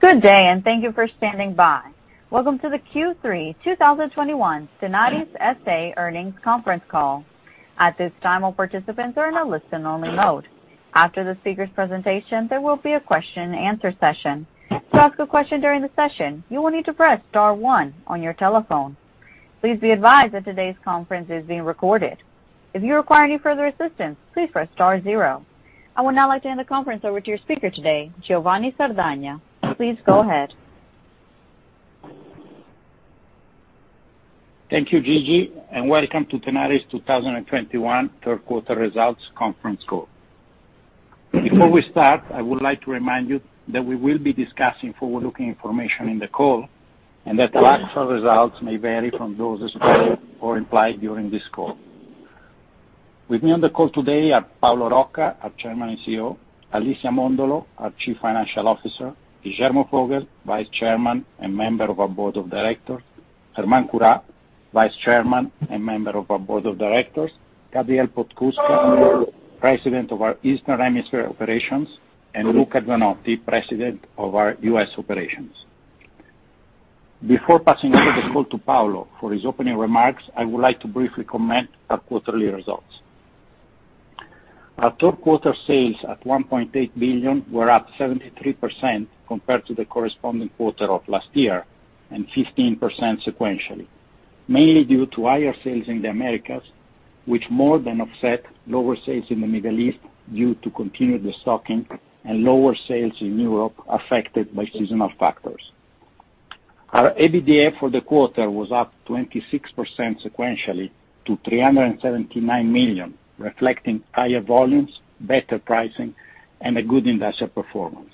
Good day, and thank you for standing by. Welcome to the Q3 2021 Tenaris S.A. Earnings Conference Call. At this time, all participants are in a listen-only mode. After the speaker's presentation, there will be a question and answer session. To ask a question during the session, you will need to press star one on your telephone. Please be advised that today's conference is being recorded. If you require any further assistance, please press star zero. I would now like to hand the conference over to your speaker today, Giovanni Sardagna. Please go ahead. Thank you, Gigi, and welcome to Tenaris 2021 third quarter results conference call. Before we start, I would like to remind you that we will be discussing forward-looking information in the call and that actual results may vary from those described or implied during this call. With me on the call today are Paolo Rocca, our Chairman and CEO, Alicia Mondolo, our Chief Financial Officer, Guillermo Vogel, Vice Chairman and member of our Board of Directors, Germán Curá, Vice Chairman and member of our Board of Directors, Gabriel Podskubka, President of our Eastern Hemisphere Operations, and Luca Zanotti, President of our U.S. Operations. Before passing over the call to Paolo for his opening remarks, I would like to briefly comment on our quarterly results. Our third quarter sales at $1.8 billion were up 73% compared to the corresponding quarter of last year and 15% sequentially, mainly due to higher sales in the Americas, which more than offset lower sales in the Middle East due to continued destocking and lower sales in Europe affected by seasonal factors. Our EBITDA for the quarter was up 26% sequentially to $379 million, reflecting higher volumes, better pricing, and a good industrial performance.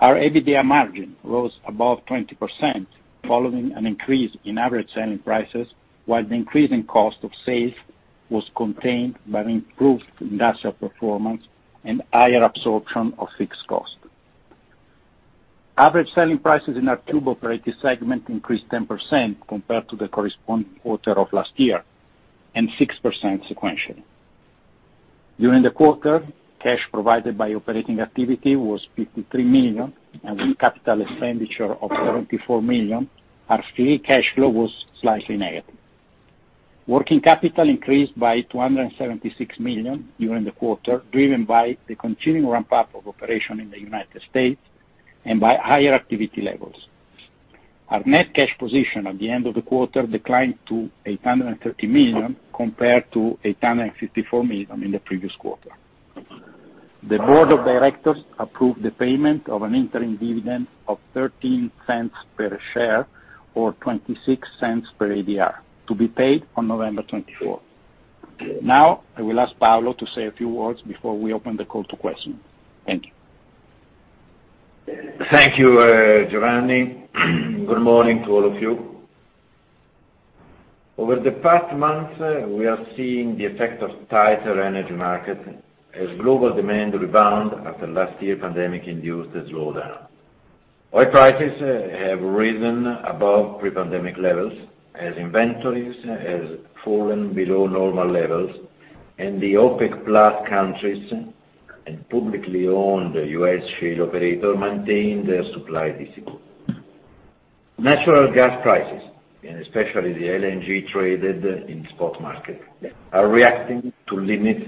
Our EBITDA margin rose above 20% following an increase in average selling prices, while the increase in cost of sales was contained by improved industrial performance and higher absorption of fixed cost. Average selling prices in our tube operating segment increased 10% compared to the corresponding quarter of last year, and 6% sequentially. During the quarter, cash provided by operating activity was $53 million and with capital expenditure of $74 million, our free cash flow was slightly negative. Working capital increased by $276 million during the quarter, driven by the continuing ramp-up of operation in the United States and by higher activity levels. Our net cash position at the end of the quarter declined to $830 million, compared to $854 million in the previous quarter. The board of directors approved the payment of an interim dividend of $0.13 per share, or $0.26 per ADR, to be paid on November 24th. Now, I will ask Paolo to say a few words before we open the call to questions. Thank you. Thank you, Giovanni. Good morning to all of you. Over the past months, we are seeing the effect of tighter energy market as global demand rebound after last year pandemic induced a slowdown. Oil prices have risen above pre-pandemic levels as inventories have fallen below normal levels and the OPEC plus countries and publicly owned U.S. shale operator maintain their supply discipline. Natural gas prices, and especially the LNG traded in spot market, are reacting to limit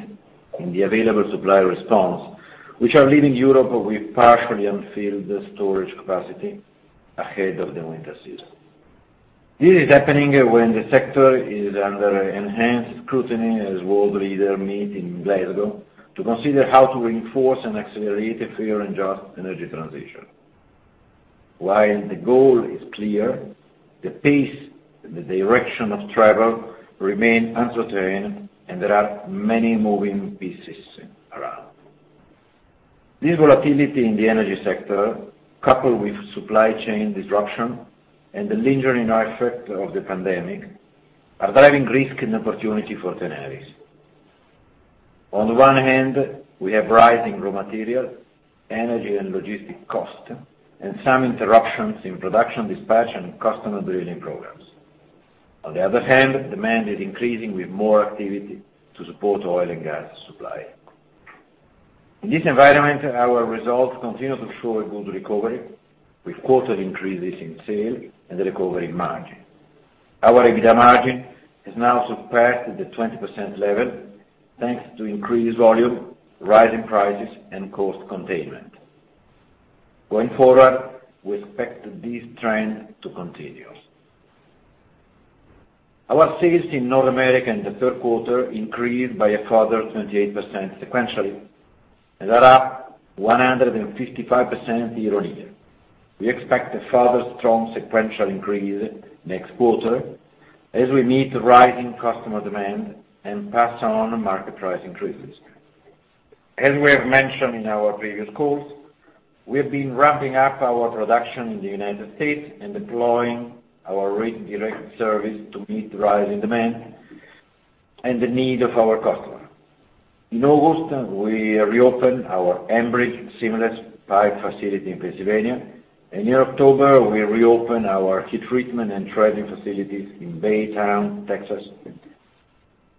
in the available supply response, which are leaving Europe with partially unfilled storage capacity ahead of the winter season. This is happening when the sector is under enhanced scrutiny as world leader meet in Glasgow to consider how to reinforce and accelerate a fair and just energy transition. While the goal is clear, the pace and the direction of travel remain uncertain and there are many moving pieces around. This volatility in the energy sector, coupled with supply chain disruption and the lingering effect of the pandemic, are driving risk and opportunity for Tenaris. On the one hand, we have rising raw material, energy and logistics costs, and some interruptions in production, dispatch, and customer delivery programs. On the other hand, demand is increasing with more activity to support oil and gas supply. In this environment, our results continue to show a good recovery with quarter increases in sales and recovery margin. Our EBITDA margin has now surpassed the 20% level, thanks to increased volume, rising prices, and cost containment. Going forward, we expect this trend to continue. Our sales in North America in the third quarter increased by a further 28% sequentially, and are up 155% year-on-year. We expect a further strong sequential increase next quarter as we meet rising customer demand and pass on market price increases. As we have mentioned in our previous calls, we have been ramping up our production in the United States and deploying our Rig Direct service to meet the rising demand and the need of our customer. In August, we reopened our Ambridge Seamless Pipe facility in Pennsylvania. In October, we reopened our heat treatment and threading facilities in Baytown, Texas.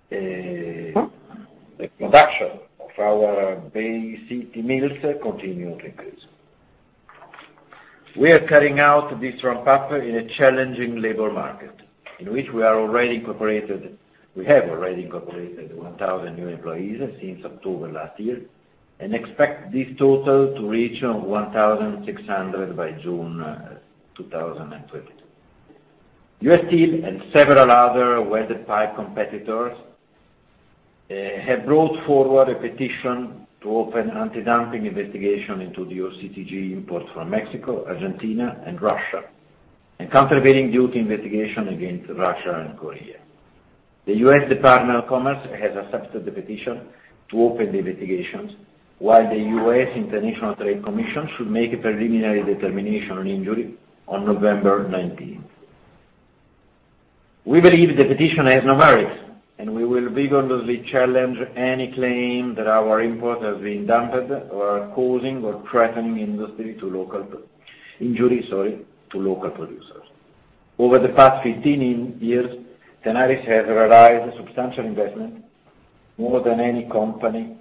The production of our Bay City mills continues to increase. We are carrying out this ramp up in a challenging labor market, in which we have already incorporated 1,000 new employees since October last year and expect this total to reach 1,600 by June 2022. U.S. Steel and several other welded pipe competitors have brought forward a petition to open antidumping investigation into the OCTG imports from Mexico, Argentina and Russia, and countervailing duty investigation against Russia and Korea. The U.S. Department of Commerce has accepted the petition to open the investigations, while the U.S. International Trade Commission should make a preliminary determination on injury on November nineteenth. We believe the petition has no merit, and we will vigorously challenge any claim that our import has been dumped or are causing or threatening injury to local producers. Over the past 15 years, Tenaris has realized substantial investment, more than in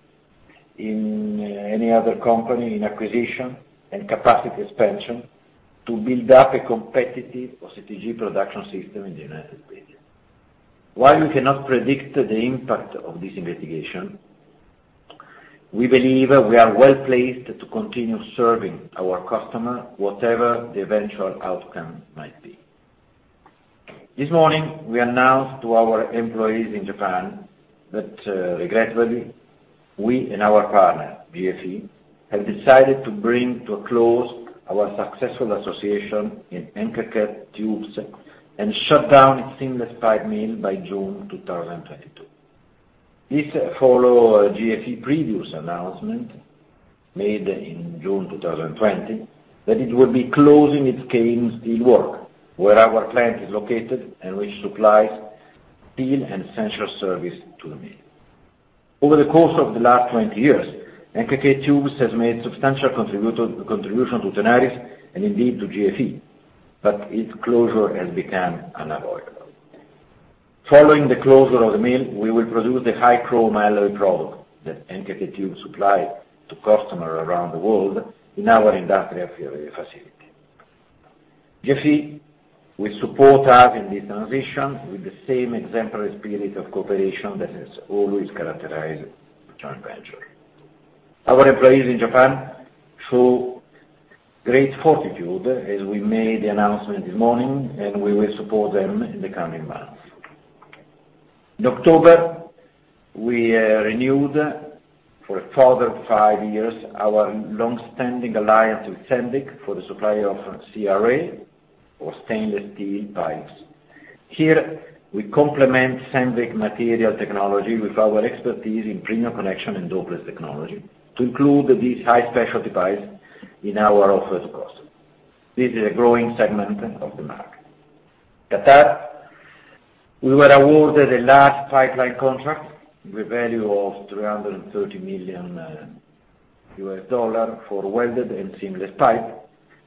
any other company in acquisition and capacity expansion to build up a competitive OCTG production system in the United States. While we cannot predict the impact of this investigation, we believe we are well placed to continue serving our customer whatever the eventual outcome might be. This morning, we announced to our employees in Japan that, regretfully, we and our partner, JFE, have decided to bring to a close our successful association in NKKTubes and shut down its seamless pipe mill by June 2022. This follows JFE previous announcement made in June 2020, that it will be closing its Keihin steelworks, where our plant is located and which supplies steel and essential service to the mill. Over the course of the last 20 years, NKKTubes has made substantial contribution to Tenaris, and indeed to JFE, but its closure has become unavoidable. Following the closure of the mill, we will produce the high chrome alloy product that NKKTubes supplies to customers around the world in our industrial facility. JFE will support us in this transition with the same exemplary spirit of cooperation that has always characterized the joint venture. Our employees in Japan show great fortitude as we made the announcement this morning, and we will support them in the coming months. In October, we renewed for a further five years our long-standing alliance with Sandvik for the supply of CRA or stainless steel pipes. Here, we complement Sandvik material technology with our expertise in premium connection and Dopeless technology to include these high specialty pipes in our offers across. This is a growing segment of the market. Qatar, we were awarded a large pipeline contract with a value of $330 million for welded and seamless pipe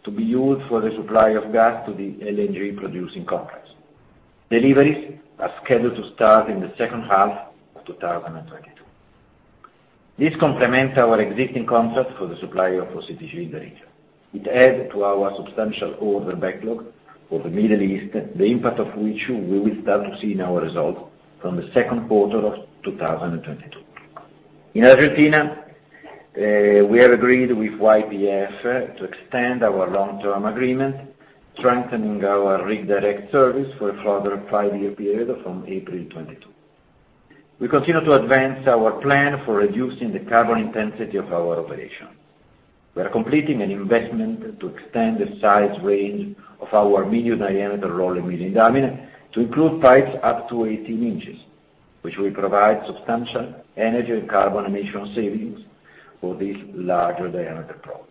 to be used for the supply of gas to the LNG producing contracts. Deliveries are scheduled to start in the second half of 2022. This complements our existing contract for the supply of OCTG in the region. It adds to our substantial order backlog for the Middle East, the impact of which we will start to see in our results from the second quarter of 2022. In Argentina, we have agreed with YPF to extend our long-term agreement, strengthening our Rig Direct service for a further 5-year period from April 2022. We continue to advance our plan for reducing the carbon intensity of our operation. We are completing an investment to extend the size range of our medium diameter rolling mill in Dalmine to include pipes up to 18 inches, which will provide substantial energy and carbon emission savings for this larger diameter product.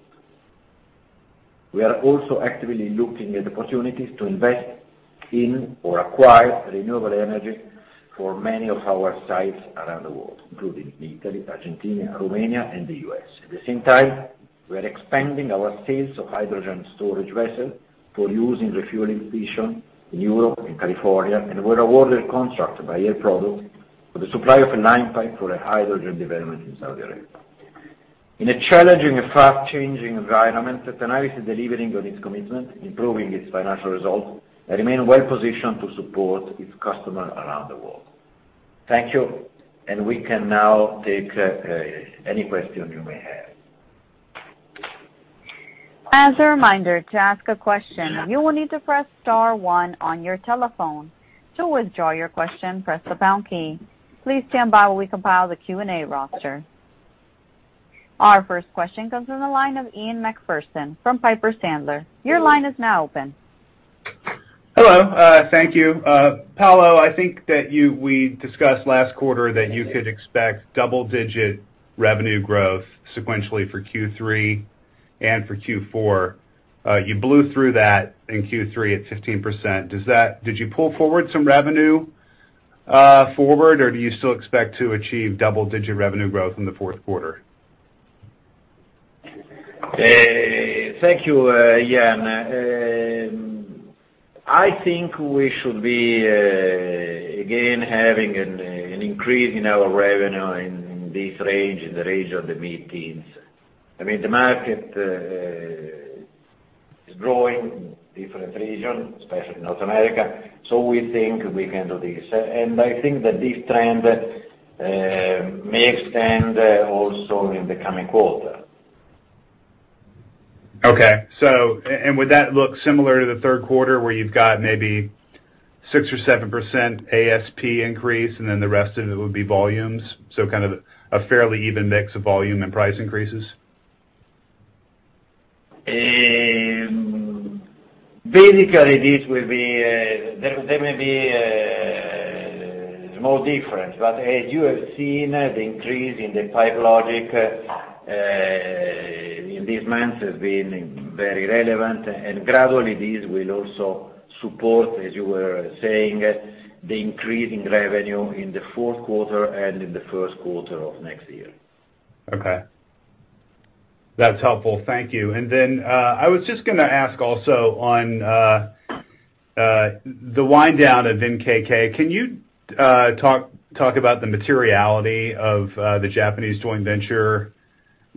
We are also actively looking at opportunities to invest in or acquire renewable energy for many of our sites around the world, including Italy, Argentina, Romania, and the U.S. At the same time, we are expanding our sales of hydrogen storage vessels for use in refueling station in Europe and California, and were awarded contract by Air Products for the supply of a line pipe for a hydrogen development in Saudi Arabia. In a challenging and fast changing environment, Tenaris is delivering on its commitment, improving its financial results, and remain well positioned to support its customer around the world. Thank you. We can now take any question you may have. As a reminder, to ask a question, you will need to press star one on your telephone. To withdraw your question, press the pound key. Please stand by while we compile the Q&A roster. Our first question comes from the line of Ian MacPherson from Piper Sandler. Your line is now open. Hello. Thank you. Paolo, I think that we discussed last quarter that you could expect double-digit revenue growth sequentially for Q3 and for Q4. You blew through that in Q3 at 15%. Did you pull forward some revenue forward, or do you still expect to achieve double-digit revenue growth in the fourth quarter? Thank you, Ian. I think we should be again having an increase in our revenue in this range, in the range of the mid-teens. I mean, the market is growing in different regions, especially North America, so we think we can do this. I think that this trend may extend also in the coming quarter. Would that look similar to the third quarter, where you've got maybe 6% or 7% ASP increase, and then the rest of it would be volumes, so kind of a fairly even mix of volume and price increases? Basically, this will be there may be small difference, but as you have seen, the increase in the PipeLogix in these months has been very relevant, and gradually, this will also support, as you were saying, the increase in revenue in the fourth quarter and in the first quarter of next year. Okay. That's helpful. Thank you. I was just gonna ask also on the wind down of NKK. Can you talk about the materiality of the Japanese joint venture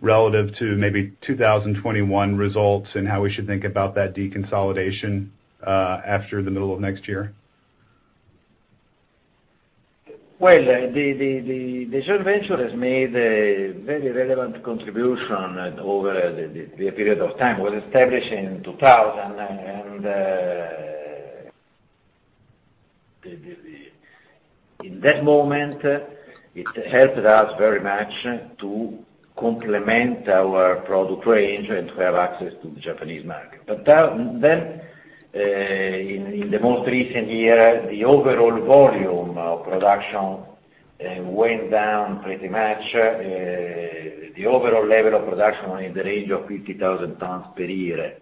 relative to maybe 2021 results and how we should think about that deconsolidation after the middle of next year? Well, the joint venture has made a very relevant contribution over the period of time. It was established in 2000. In that moment, it helped us very much to complement our product range and to have access to the Japanese market. Then, in the most recent year, the overall volume of production went down pretty much. The overall level of production was in the range of 50,000 tons per year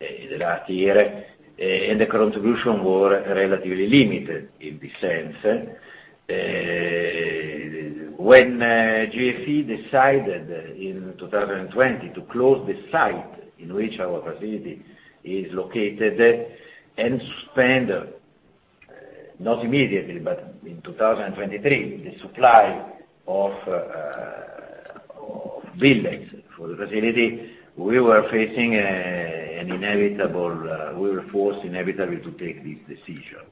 in the last year, and the contribution were relatively limited in this sense. When JFE decided in 2020 to close the site in which our facility is located and suspend, not immediately, but in 2023, the supply of billets for the facility, we were facing an inevitable. We were forced inevitably to take this decision.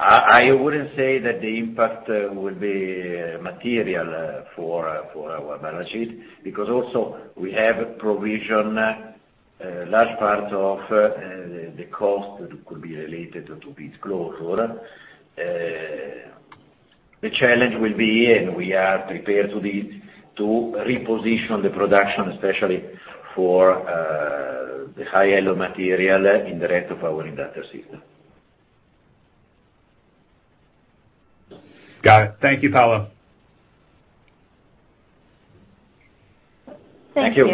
I wouldn't say that the impact will be material for our balance sheet, because also we have provisioned a large part of the cost that could be related to this closure. The challenge will be. We are prepared for this, to reposition the production, especially for the high-end material in the rest of our industrial system. Got it. Thank you, Paolo. Thank you. Thank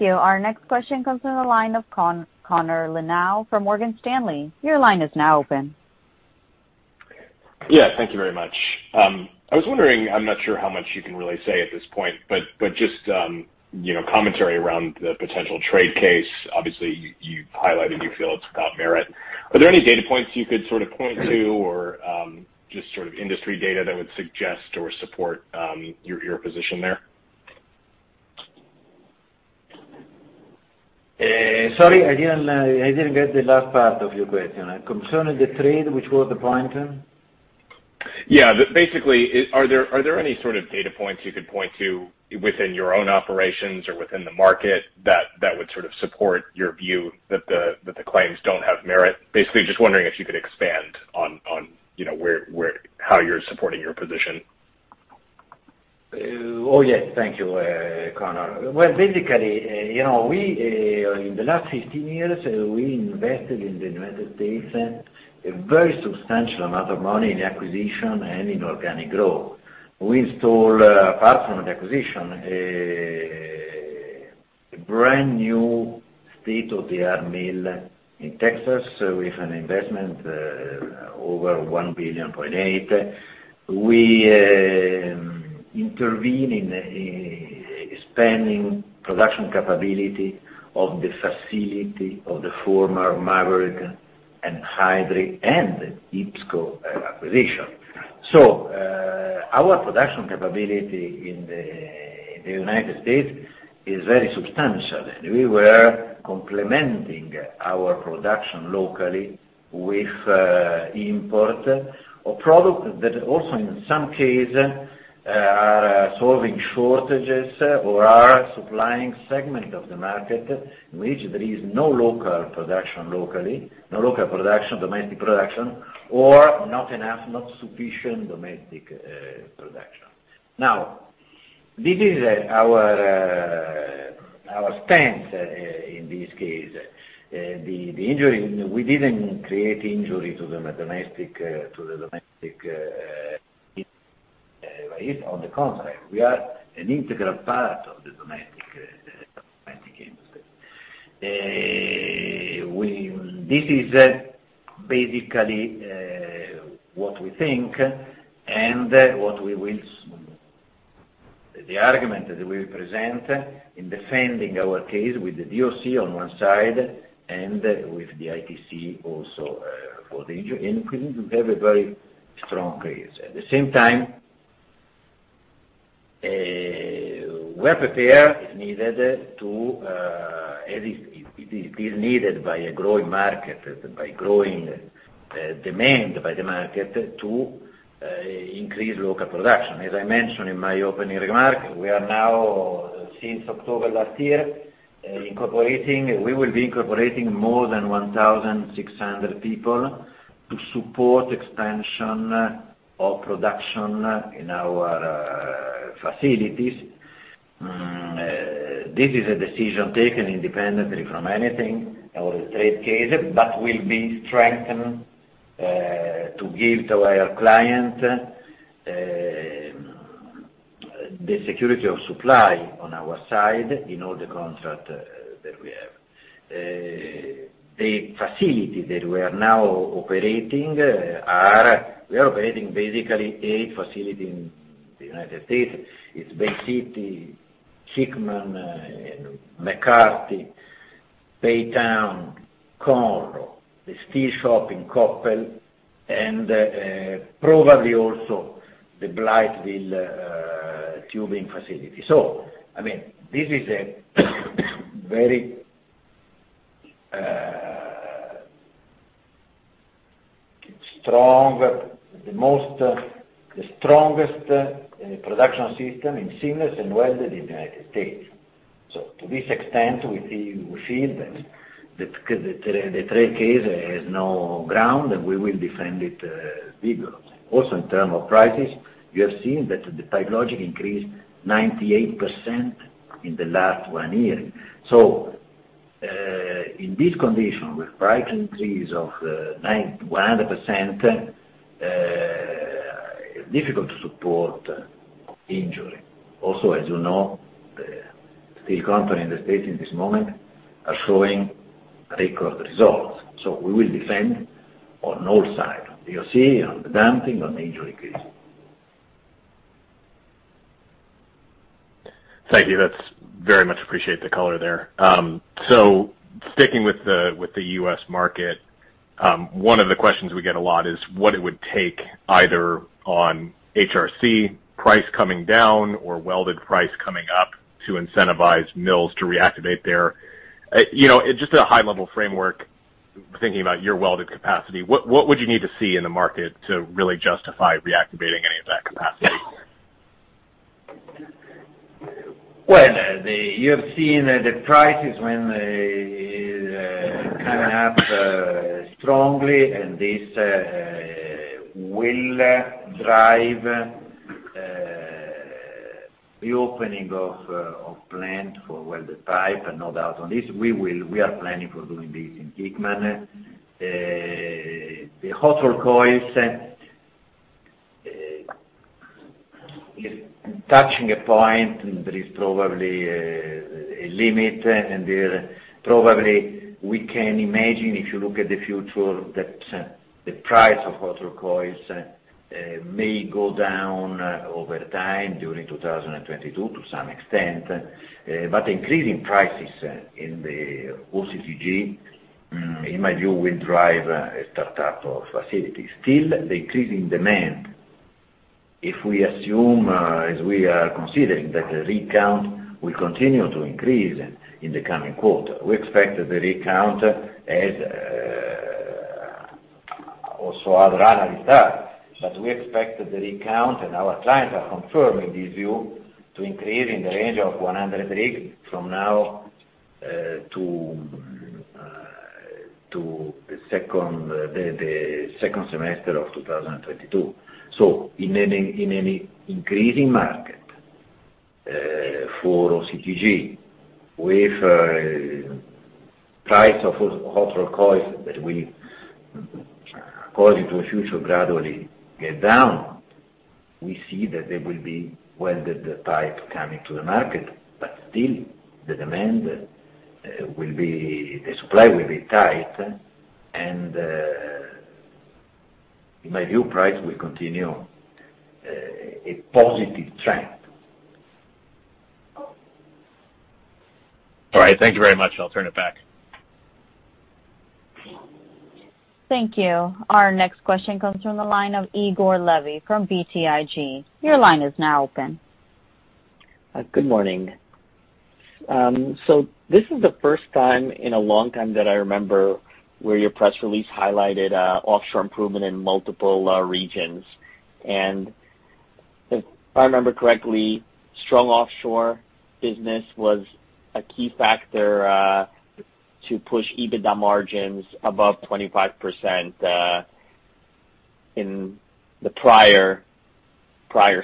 you. Our next question comes from the line of Connor Lynagh from Morgan Stanley. Your line is now open. Yeah. Thank you very much. I was wondering, I'm not sure how much you can really say at this point, but just, you know, commentary around the potential trade case. Obviously, you highlighted you feel it's got merit. Are there any data points you could sort of point to or just sort of industry data that would suggest or support your position there? Sorry, I didn't get the last part of your question. Concerning the trade, which was the point? Yeah. Basically, are there any sort of data points you could point to within your own operations or within the market that would sort of support your view that the claims don't have merit? Basically, just wondering if you could expand on, you know, where how you're supporting your position. Yes. Thank you, Connor. Well, basically, you know, we in the last 15 years, we invested in the United States a very substantial amount of money in acquisition and in organic growth. We installed, apart from the acquisition, a brand-new state-of-the-art mill in Texas with an investment over $1.8 billion. We intervene in expanding production capability of the facility of the former Maverick and Hydril and IPSCO acquisition. Our production capability in the United States is very substantial. We were complementing our production locally with import of product that also, in some case, are solving shortages or are supplying segment of the market in which there is no local production, domestic production, or not enough, not sufficient domestic production. Now, this is our stance in this case. The injury, we didn't create injury to the domestic industry. On the contrary, we are an integral part of the domestic. This is basically what we think and the argument that we will present in defending our case with the DOC on one side and with the ITC also for the injury increase, we have a very strong case. At the same time, we're prepared if needed to at least if it is needed by a growing market, by growing demand by the market to increase local production. As I mentioned in my opening remark, we are now, since October last year, We will be incorporating more than 1,600 people to support expansion of production in our facilities. This is a decision taken independently from anything or the trade case, but we'll be strengthened to give to our client the security of supply on our side in all the contract that we have. We are operating basically eight facilities in the United States. It's Bay City, Hickman, McCarty, Baytown, Conroe, the steel shop in Coppell, and probably also the Blytheville tubing facility. I mean, this is the strongest production system in seamless and welded in the United States. To this extent, we feel that the trade case has no ground, and we will defend it vigorously. Also, in terms of prices, you have seen that the PipeLogix increased 98% in the last year. In this condition, with price increase of 100%, difficult to support injury. Also, as you know, the steel companies in the States in this moment are showing record results. We will defend on all sides, on DOC, on the dumping, on injury increase. Thank you. I very much appreciate the color there. Sticking with the U.S. market, one of the questions we get a lot is what it would take either on HRC price coming down or welded price coming up to incentivize mills to reactivate their capacity. Just at a high level framework, thinking about your welded capacity, what would you need to see in the market to really justify reactivating any of that capacity? You have seen the prices coming up strongly, and this will drive the opening of plant for welded pipe, and no doubt on this, we are planning for doing this in Hickman. The hot-rolled coils is touching a point, and there is probably a limit, and there probably we can imagine, if you look at the future, that the price of hot-rolled coils may go down over time during 2022 to some extent. Increasing prices in the OCTG, in my view, will drive a startup of facilities. Still, the increasing demand, if we assume, as we are considering, that the rig count will continue to increase in the coming quarter. We expect the rig count, and our clients are confirming this view, to increase in the range of 100 rigs from now to the second semester of 2022. In an increasing market for OCTG, with price of hot-rolled coils that will, going into the future, gradually get down, we see that there will be welded pipe coming to the market, but still the supply will be tight, and in my view, price will continue a positive trend. All right. Thank you very much. I'll turn it back. Thank you. Our next question comes from the line of Igor Levi from BTIG. Your line is now open. Good morning. This is the first time in a long time that I remember where your press release highlighted offshore improvement in multiple regions. If I remember correctly, strong offshore business was a key factor to push EBITDA margins above 25% in the prior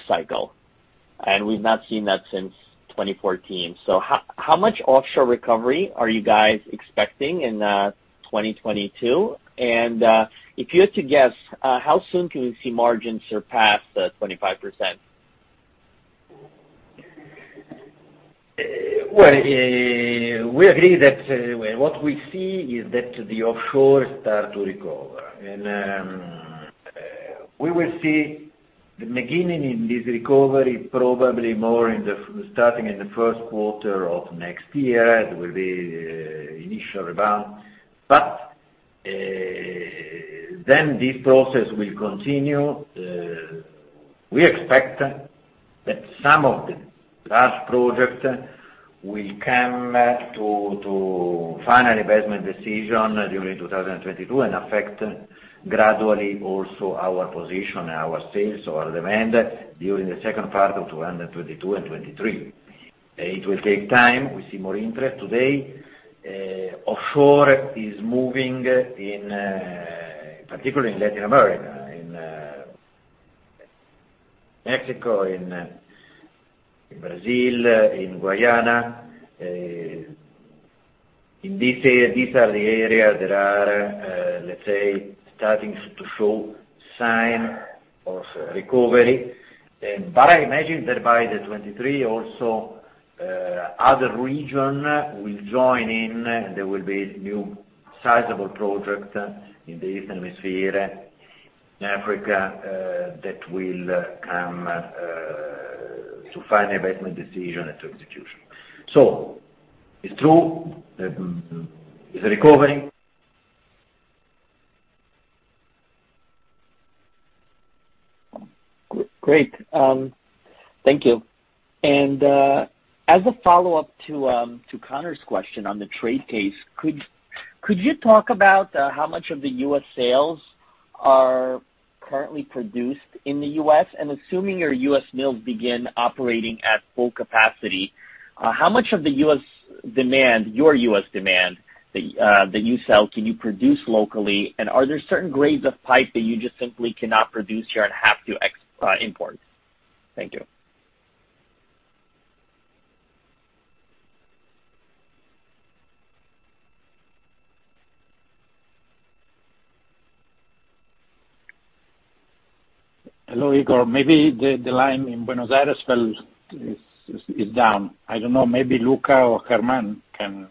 cycle. We've not seen that since 2014. How much offshore recovery are you guys expecting in 2022? If you had to guess, how soon can we see margins surpass 25%? Well, we agree that well, what we see is that the Offshore start to recover. We will see the beginning in this recovery probably more starting in the first quarter of next year. It will be initial rebound. Then this process will continue. We expect that some of the large project will come to final investment decision during 2022, and affect gradually also our position, our sales, our demand during the second part of 2022 and 2023. It will take time. We see more interest today. Offshore is moving, particularly in Latin America, in Mexico, in Brazil, in Guyana. These are the areas that are, let's say, starting to show sign of recovery. I imagine that by 2023 also, other region will join in. There will be new sizable project in the Eastern Hemisphere, in Africa, that will come to final investment decision and to execution. It's true, it's recovering. Great. Thank you. As a follow-up to Connor's question on the trade case, could you talk about how much of the U.S. sales are currently produced in the U.S.? Assuming your U.S. mills begin operating at full capacity, how much of the U.S. demand, your U.S. demand that you sell, can you produce locally, and are there certain grades of pipe that you just simply cannot produce here and have to import? Thank you. Hello, Igor Levi. Maybe the line in Buenos Aires fell is down. I don't know, maybe Luca Zanotti or Germán Curá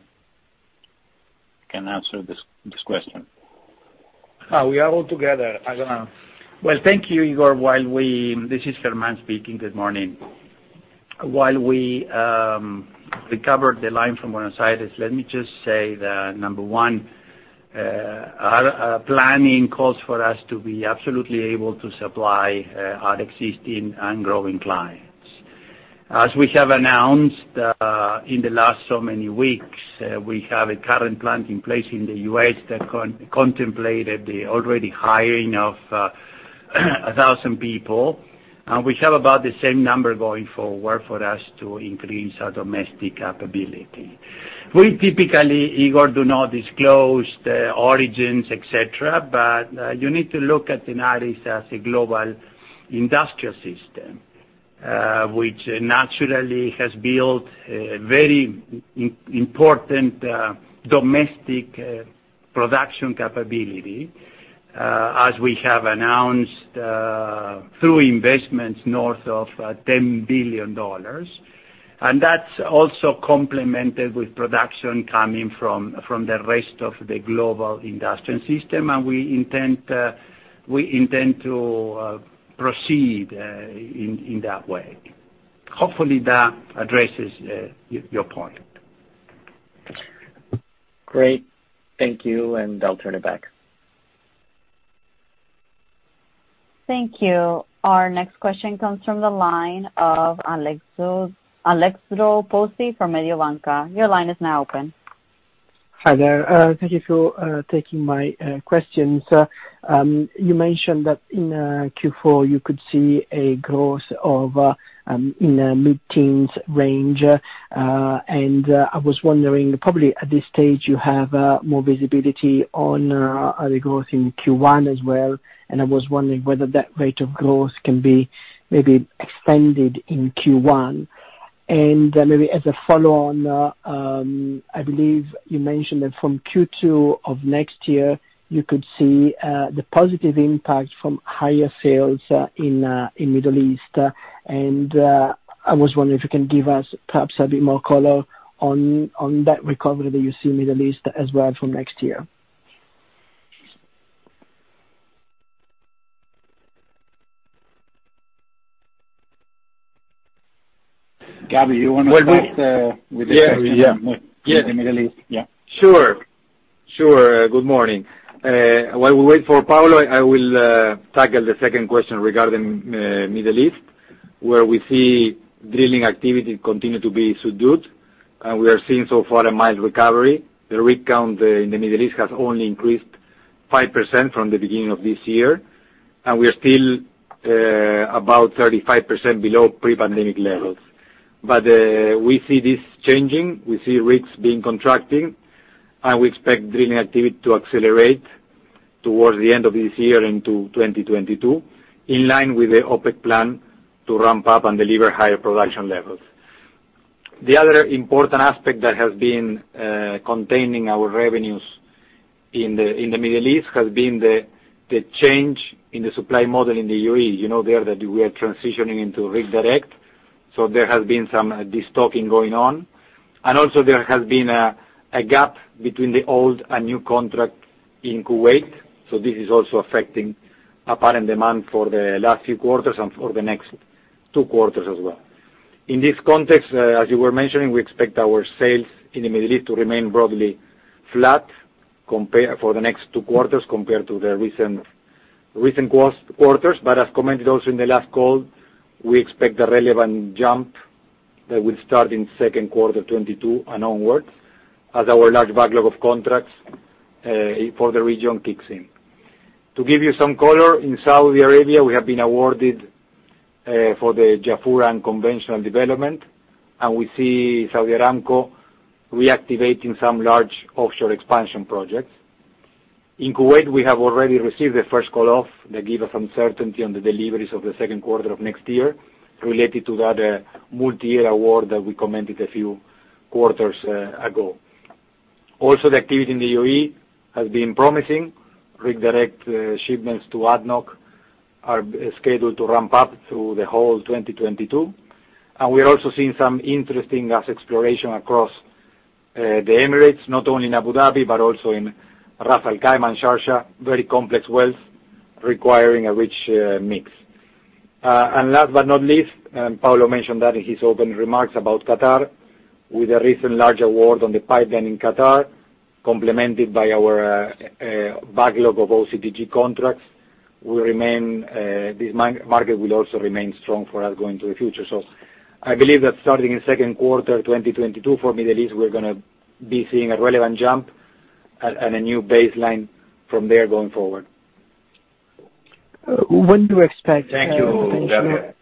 can answer this question. We are all together. I don't know. Well, thank you, Igor. This is Germán Curá speaking. Good morning. While we recover the line from Buenos Aires, let me just say that, number one, our planning calls for us to be absolutely able to supply our existing and growing clients. As we have announced in the last so many weeks, we have a current plan in place in the U.S. that contemplated the already hiring of 1,000 people. We have about the same number going forward for us to increase our domestic capability. We typically, Igor, do not disclose the origins, et cetera, but you need to look at Tenaris as a global industrial system, which naturally has built a very important domestic production capability, as we have announced, through investments north of $10 billion. That's also complemented with production coming from the rest of the global industrial system, and we intend to proceed in that way. Hopefully, that addresses your point. Great. Thank you, and I'll turn it back. Thank you. Our next question comes from the line of Alessandro Pozzi from Mediobanca. Your line is now open. Hi there. Thank you for taking my questions. You mentioned that in Q4, you could see a growth in the mid-teens range, and I was wondering, probably at this stage you have more visibility on the growth in Q1 as well, and I was wondering whether that rate of growth can be maybe extended in Q1. Maybe as a follow-on, I believe you mentioned that from Q2 of next year, you could see the positive impact from higher sales in Middle East. I was wondering if you can give us perhaps a bit more color on that recovery that you see in Middle East as well from next year. Gabi, you wanna start with the question on- Yeah. The Middle East? Yeah. Sure. Good morning. While we wait for Paolo, I will tackle the second question regarding Middle East, where we see drilling activity continue to be subdued. We are seeing so far a mild recovery. The rig count in the Middle East has only increased 5% from the beginning of this year, and we are still about 35% below pre-pandemic levels. We see this changing. We see rigs being contracting, and we expect drilling activity to accelerate towards the end of this year into 2022, in line with the OPEC plan to ramp up and deliver higher production levels. The other important aspect that has been containing our revenues in the Middle East has been the change in the supply model in the UAE. You know there that we are transitioning into Rig Direct, so there has been some destocking going on. Also there has been a gap between the old and new contract in Kuwait, so this is also affecting apparent demand for the last few quarters and for the next two quarters as well. In this context, as you were mentioning, we expect our sales in the Middle East to remain broadly flat for the next two quarters compared to the recent quarters. As commented also in the last call, we expect a relevant jump that will start in second quarter 2022 and onwards as our large backlog of contracts for the region kicks in. To give you some color, in Saudi Arabia, we have been awarded for the Jafurah conventional development, and we see Saudi Aramco reactivating some large offshore expansion projects. In Kuwait, we have already received the first call off that give us certainty on the deliveries of the second quarter of next year related to the other multi-year award that we commented a few quarters ago. Also, the activity in the UAE has been promising. Rig Direct shipments to ADNOC are scheduled to ramp up through the whole 2022. We're also seeing some interesting gas exploration across the Emirates, not only in Abu Dhabi but also in Ras Al Khaimah and Sharjah, very complex wells requiring a rich mix. Last but not least, Paulo mentioned that in his opening remarks about Qatar. With a recent large award on the pipeline in Qatar, complemented by our backlog of OCTG contracts, this market will also remain strong for us going into the future. I believe that starting in second quarter 2022 for Middle East, we're gonna be seeing a relevant jump to a new baseline from there going forward. When do you expect. Thank you, Davide.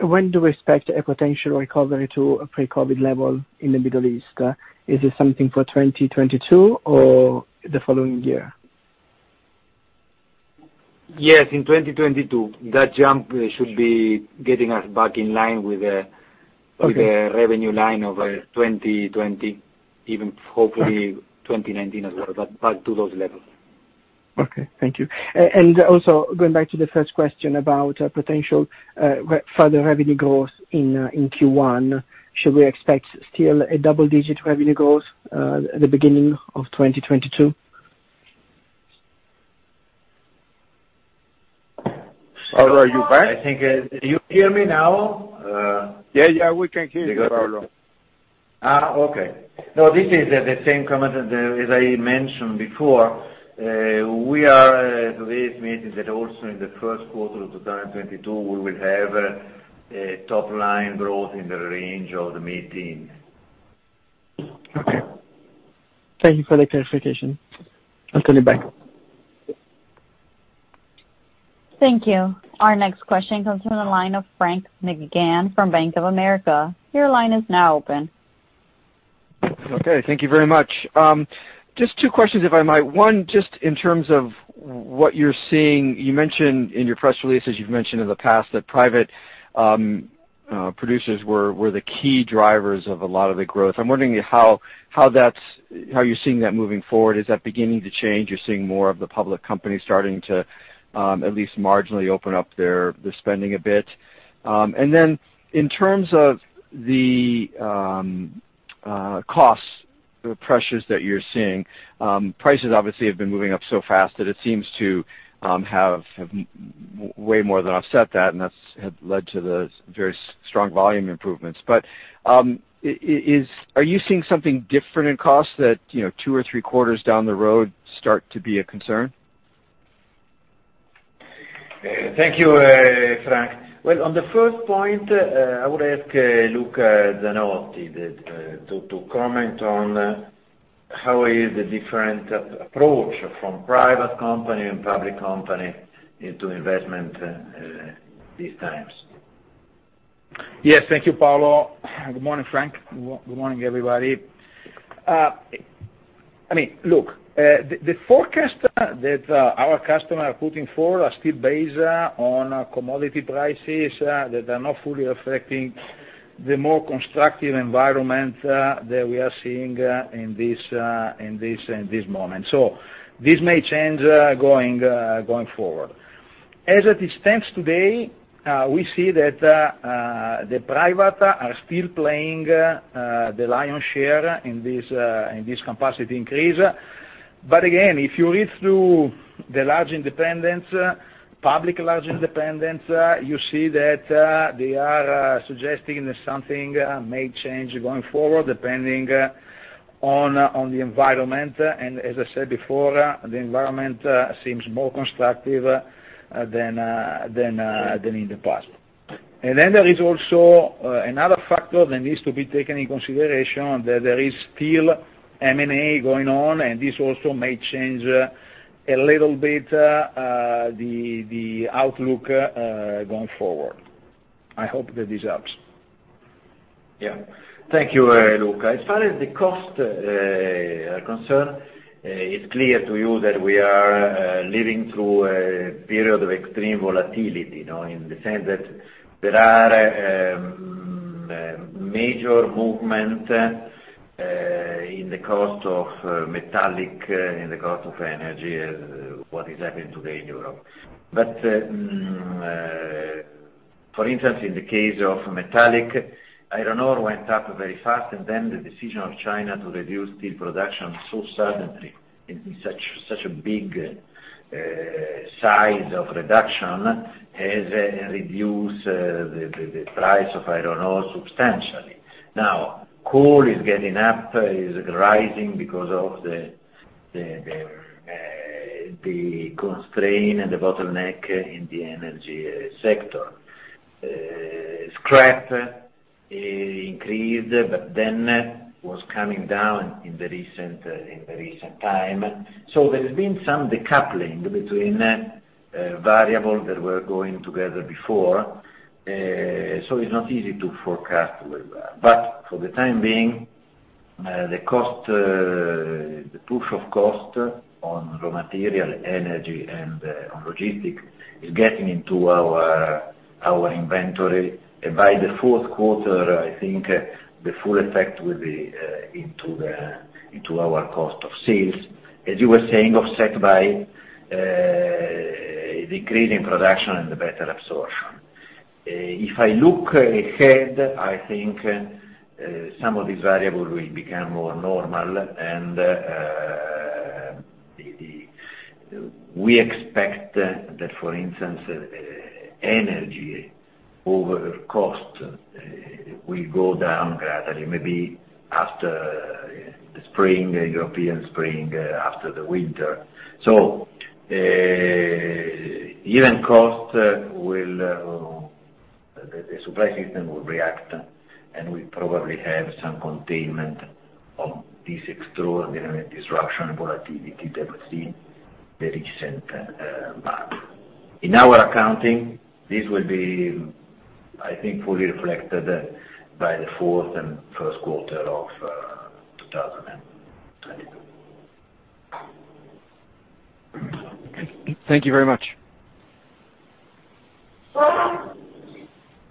When do we expect a potential recovery to a pre-COVID level in the Middle East? Is it something for 2022 or the following year? Yes, in 2022. That jump should be getting us back in line with the- Okay. With the revenue line of 2020, even hopefully 2019 as well, but back to those levels. Okay, thank you. Also going back to the first question about potential further revenue growth in Q1. Should we expect still a double-digit revenue growth at the beginning of 2022? Paolo, are you back? Do you hear me now? Yeah, yeah, we can hear you, Paolo. Okay. No, this is the same comment as I mentioned before. We are to this meeting that also in the first quarter of 2022, we will have a top line growth in the range of the mid-teens%. Okay. Thank you for the clarification. I'll turn it back. Thank you. Our next question comes from the line of Frank McGann from Bank of America. Your line is now open. Okay, thank you very much. Just two questions, if I might. One, just in terms of what you're seeing. You mentioned in your press release, as you've mentioned in the past, that private producers were the key drivers of a lot of the growth. I'm wondering how you're seeing that moving forward. Is that beginning to change? You're seeing more of the public companies starting to at least marginally open up their spending a bit. And then in terms of the cost pressures that you're seeing, prices obviously have been moving up so fast that it seems to have way more than offset that, and that's has led to the very strong volume improvements. Are you seeing something different in costs that, you know, two or three quarters down the road start to be a concern? Thank you, Frank. Well, on the first point, I would ask Luca Zanotti to comment on how is the different approach from private company and public company into investment these times. Yes. Thank you, Paolo. Good morning, Frank. Good morning, everybody. I mean, look, the forecast that our customers are putting forward are still based on commodity prices that are not fully reflecting the more constructive environment that we are seeing in this moment. This may change going forward. As it stands today, we see that the privates are still playing the lion's share in this capacity increase. But again, if you read through the large independents, public large independents, you see that they are suggesting that something may change going forward, depending on the environment. As I said before, the environment seems more constructive than in the past. There is also another factor that needs to be taken in consideration, that there is still M&A going on, and this also may change a little bit the outlook going forward. I hope that this helps. Thank you, Luca. As far as the cost are concerned, it's clear to you that we are living through a period of extreme volatility, you know, in the sense that there are major movement in the cost of metals, in the cost of energy, as what is happening today in Europe. For instance, in the case of metals, iron ore went up very fast, and then the decision of China to reduce steel production so suddenly in such a big size of reduction has reduced the price of iron ore substantially. Now, coal is getting up, is rising because of the constraint and the bottleneck in the energy sector. Scrap increased, but then was coming down in the recent time. There's been some decoupling between variables that were going together before. It's not easy to forecast where we are. For the time being, the push of costs on raw materials, energy, and on logistics is getting into our inventory. By the fourth quarter, I think the full effect will be into our cost of sales, as you were saying, offset by the increase in production and the better absorption. If I look ahead, I think some of these variables will become more normal and the. We expect that, for instance, energy costs will go down gradually, maybe after the spring, European spring, after the winter. The supply system will react, and we probably have some containment of this extraordinary disruption and volatility that we've seen in the recent month. In our accounting, this will be, I think, fully reflected by the fourth and first quarter of 2022. Thank you very much.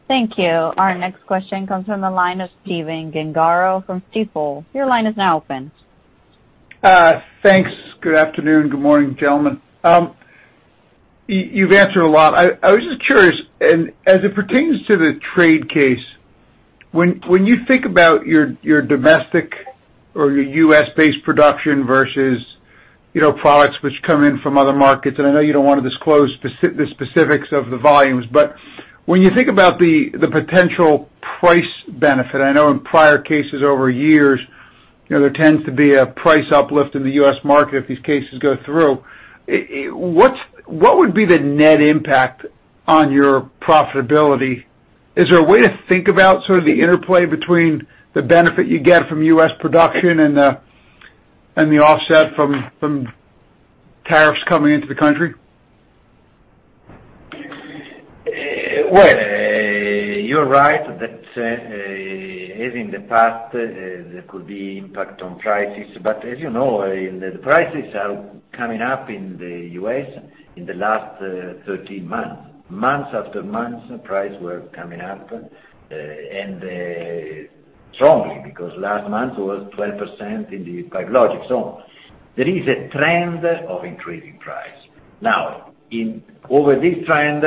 Thank you. Our next question comes from the line of Stephen Gengaro from Stifel. Your line is now open. Thanks. Good afternoon. Good morning, gentlemen. You've answered a lot. I was just curious, and as it pertains to the trade case, when you think about your domestic or your U.S.-based production versus, you know, products which come in from other markets, and I know you don't wanna disclose the specifics of the volumes, but when you think about the potential price benefit, I know in prior cases over years, you know, there tends to be a price uplift in the U.S. market if these cases go through. What would be the net impact on your profitability? Is there a way to think about sort of the interplay between the benefit you get from U.S. production and the offset from tariffs coming into the country? Well, you're right that, as in the past, there could be impact on prices. As you know, the prices are coming up in the U.S. in the last 13 months. Month after month, prices were coming up and strongly because last month was 12% in the PipeLogix, so on. There is a trend of increasing prices. Now, over this trend,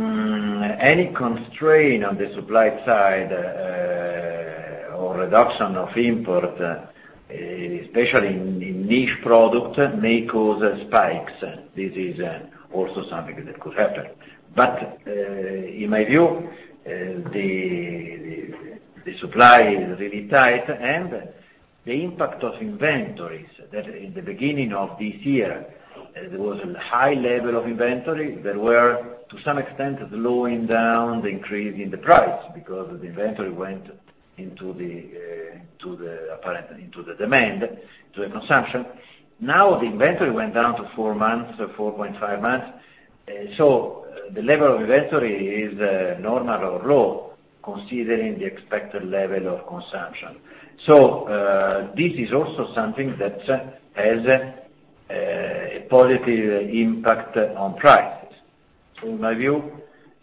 any constraint on the supply side or reduction of imports, especially in niche products, may cause spikes. This is also something that could happen. In my view, the supply is really tight and the impact of inventories that in the beginning of this year, there was high level of inventory that were to some extent slowing down the increase in the price because the inventory went into the demand, to the consumption. Now, the inventory went down to 4 months or 4.5 months. The level of inventory is normal or low considering the expected level of consumption. This is also something that has a positive impact on prices. In my view,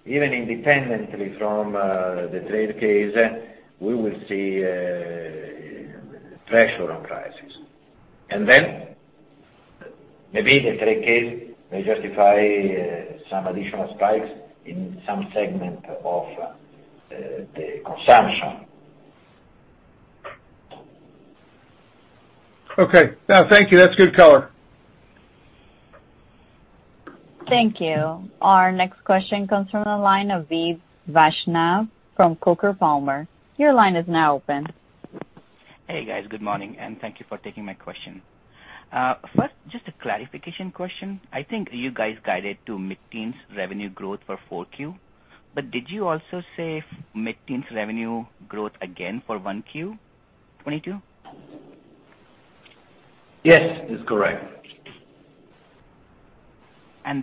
even independently from the trade case, we will see pressure on prices. Maybe the trade case may justify some additional spikes in some segment of the consumption. Okay. No, thank you. That's good color. Thank you. Our next question comes from the line of Vaibhav Vaishnav from Coker & Palmer. Your line is now open. Hey, guys. Good morning, and thank you for taking my question. First, just a clarification question. I think you guys guided to mid-teens revenue growth for 4Q, but did you also say mid-teens revenue growth again for 1Q 2022? Yes, it's correct.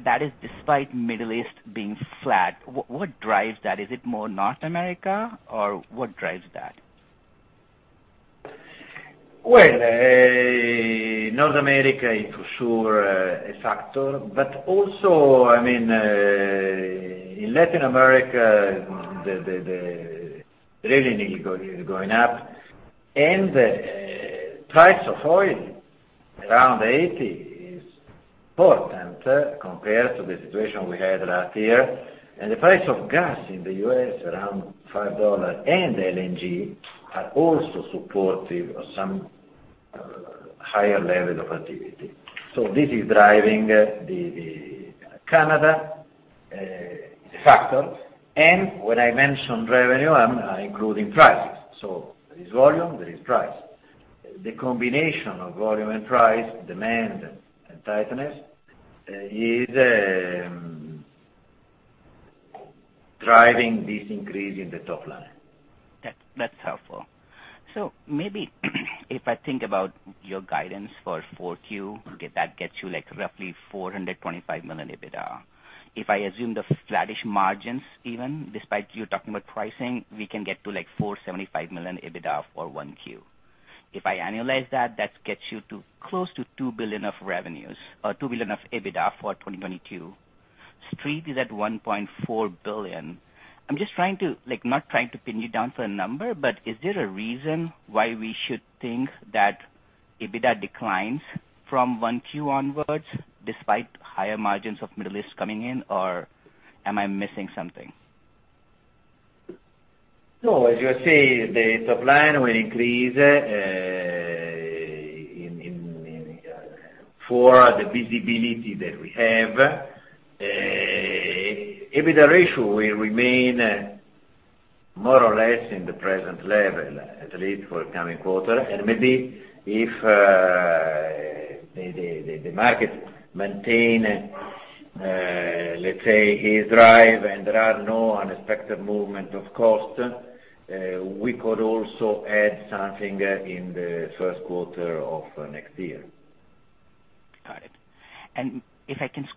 That is despite Middle East being flat. What drives that? Is it more North America or what drives that? Well, North America is for sure a factor, but also, I mean, in Latin America, the drilling is going up, and the price of oil around 80 is important compared to the situation we had last year. The price of gas in the U.S. around $5 and LNG are also supportive of some higher level of activity. This is driving the Canada factor. When I mention revenue, I'm including prices. There is volume, there is price. The combination of volume and price, demand and tightness, is driving this increase in the top line. That's helpful. Maybe if I think about your guidance for Q4, that gets you like roughly $425 million EBITDA. If I assume the flattish margins, even despite you talking about pricing, we can get to like $475 million EBITDA for 1Q. If I annualize that gets you to close to $2 billion of revenues or $2 billion of EBITDA for 2022. Street is at $1.4 billion. I'm just trying to like, not trying to pin you down for a number, but is there a reason why we should think that EBITDA declines from 1Q onwards despite higher margins of Middle East coming in? Or am I missing something? No. As you say, the top line will increase for the visibility that we have. EBITDA ratio will remain more or less in the present level, at least for coming quarter. Maybe if the market maintain, let's say, its drive and there are no unexpected movement of cost, we could also add something in the first quarter of next year. Got it. If I can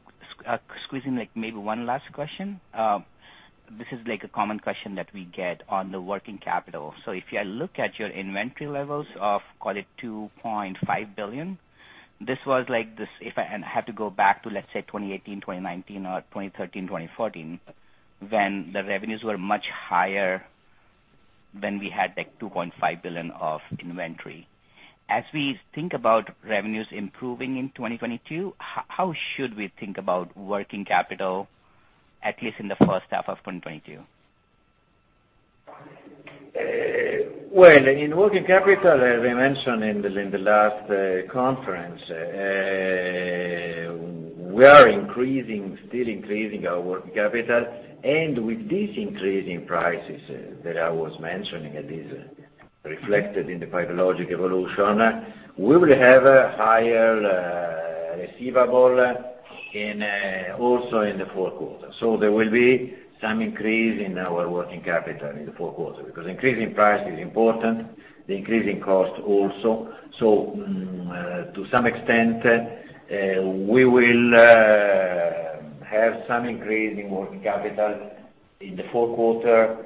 squeeze in, like, maybe one last question. This is, like, a common question that we get on the working capital. If you look at your inventory levels of, call it $2.5 billion, this was like this. If I have to go back to, let's say, 2018, 2019 or 2013, 2014, when the revenues were much higher than we had, like, $2.5 billion of inventory. As we think about revenues improving in 2022, how should we think about working capital, at least in the first half of 2022? Well, in working capital, as I mentioned in the last conference, we are still increasing our working capital. With this increase in prices that I was mentioning, it is reflected in the PipeLogix evolution. We will have a higher receivable also in the fourth quarter. There will be some increase in our working capital in the fourth quarter, because increase in price is important, the increase in cost also. To some extent, we will have some increase in working capital in the fourth quarter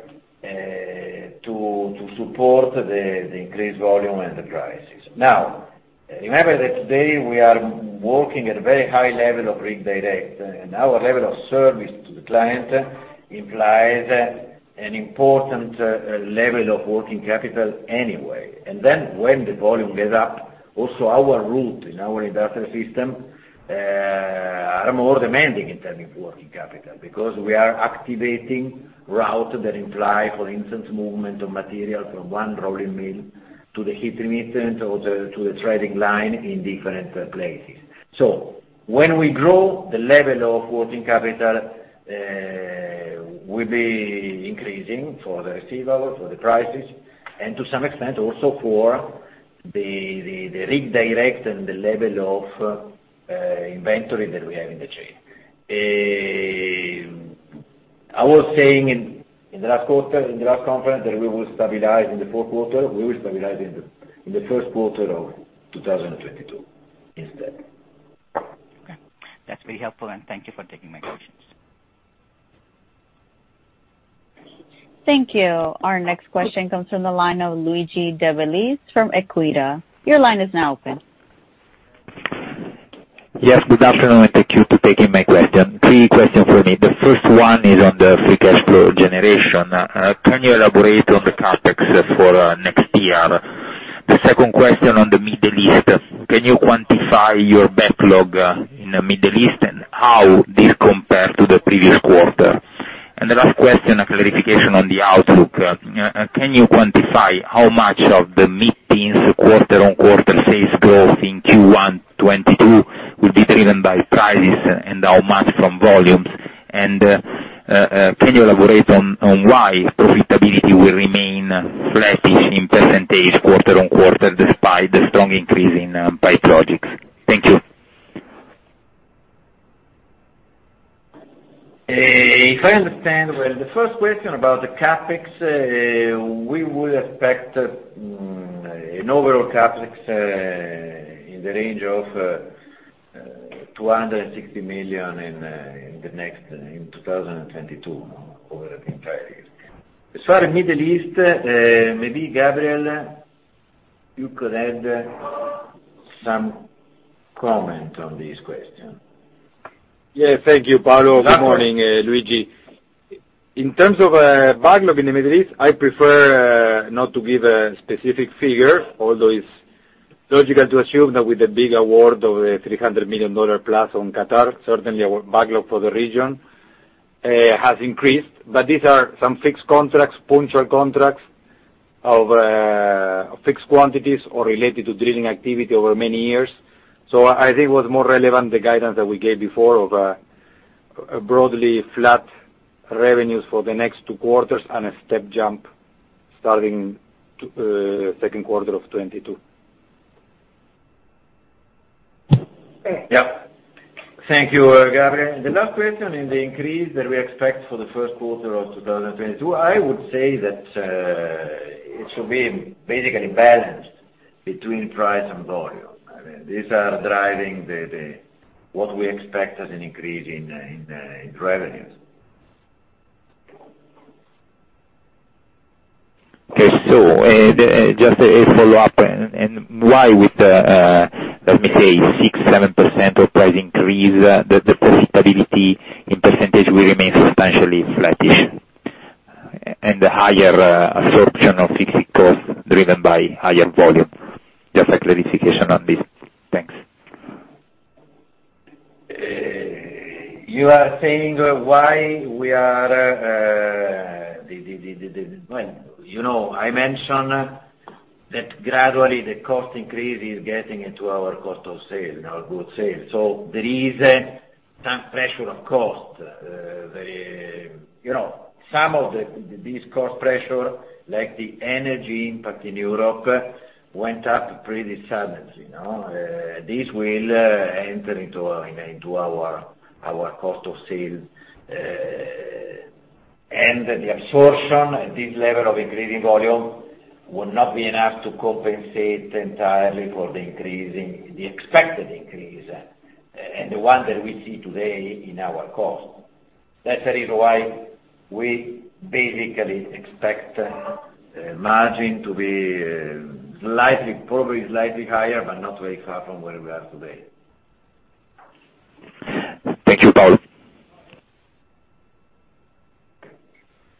to support the increased volume and the prices. Remember that today we are working at a very high level of Rig Direct, and our level of service to the client implies an important level of working capital anyway. When the volume goes up, also our routes in our industrial system are more demanding in terms of working capital, because we are activating routes that imply, for instance, movement of material from one rolling mill to the heat treatment or to the threading line in different places. When we grow, the level of working capital will be increasing for the receivables, for the prices, and to some extent also for the Rig Direct and the level of inventory that we have in the chain. I was saying in the last quarter, in the last conference that we will stabilize in the fourth quarter. We will stabilize in the first quarter of 2022 instead. Okay. That's very helpful, and thank you for taking my questions. Thank you. Our next question comes from the line of Luigi De Bellis from Equita. Your line is now open. Yes, good afternoon, and thank you for taking my question. Three questions for me. The first one is on the free cash flow generation. Can you elaborate on the CapEx for next year? The second question on the Middle East. Can you quantify your backlog in the Middle East and how this compare to the previous quarter? And the last question, a clarification on the outlook. Can you quantify how much of the mid-teens quarter-over-quarter sales growth in Q1 2022 will be driven by prices and how much from volumes? Can you elaborate on why profitability will remain flattish in percentage quarter-over-quarter despite the strong increase in pipe projects? Thank you. If I understand well, the first question about the CapEx, we would expect an overall CapEx in the range of $260 million in 2022 over the entire year. As for Middle East, maybe Gabriel, you could add some comment on this question. Yeah. Thank you, Paolo. Good morning, Luigi. In terms of backlog in the Middle East, I prefer not to give a specific figure, although it's logical to assume that with the big award of $300 million plus on Qatar, certainly our backlog for the region has increased. These are some fixed contracts, punctual contracts of fixed quantities or related to drilling activity over many years. I think it was more relevant, the guidance that we gave before of a broadly flat revenues for the next two quarters and a step jump starting second quarter of 2022. Yeah. Thank you, Gabriel. The last question on the increase that we expect for the first quarter of 2022, I would say that it should be basically balanced between price and volume. I mean, these are driving the increase we expect in revenues. Okay. Just a follow-up. Why would, let me say, 6%-7% price increase, the profitability in percentage will remain substantially flattish, and the higher absorption of fixed costs driven by higher volume? Just a clarification on this. Thanks. You are saying why we are. Well, you know, I mentioned that gradually the cost increase is getting into our cost of sales, in our cost of goods sold. There is some pressure on cost. You know, some of these cost pressures, like the energy impact in Europe, went up pretty suddenly, you know. This will enter into our cost of sales. The absorption at this level of increasing volume will not be enough to compensate entirely for the expected increase and the one that we see today in our cost. That's the reason why we basically expect margin to be slightly, probably slightly higher, but not very far from where we are today. Thank you, Paolo.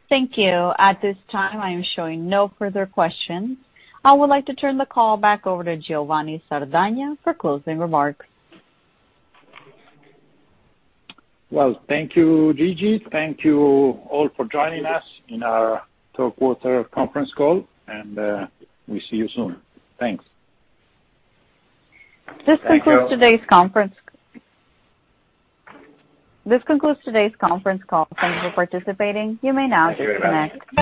Thank you. At this time, I am showing no further questions. I would like to turn the call back over to Giovanni Sardagna for closing remarks. Well, thank you, Gigi. Thank you all for joining us in our third quarter conference call, and we'll see you soon. Thanks. Thank you. This concludes today's conference call. Thank you for participating. You may now disconnect.